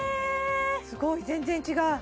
すごい全然違うえ！